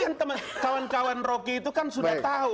ini kan teman kawan roki itu kan sudah tau